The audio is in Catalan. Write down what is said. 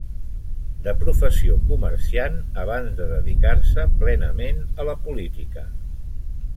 De professió comerciant abans de dedicar-se plenament a la política.